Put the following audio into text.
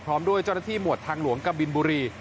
พร้อมด้วยเจ้าหน้าที่หมวดทางหลวงกะบินบุรี